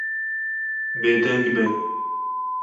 Bêdeng be.